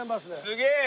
すげえ！